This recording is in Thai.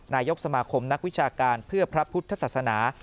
นายกสมาคมนักวิชาการเพื่อพระพุทธศาสนา